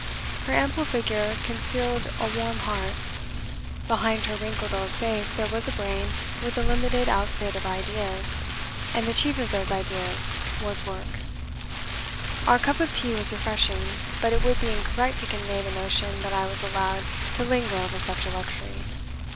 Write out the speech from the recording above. Her ample figure concealed a warm heart. Behind her wrinkled old face there was a brain with a limited outfit of ideas and the chief of those ideas was work. Our cup of tea was refreshing, but it would be incorrect to convey the notion that I was allowed to linger over such a luxury.